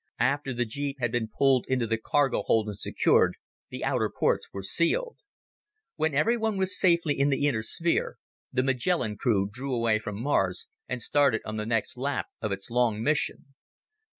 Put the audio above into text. After the jeep had been pulled into the cargo hold and secured, the outer ports were sealed. When everyone was safely in the inner sphere, the Magellan drew away from Mars and started on the next lap of its long mission.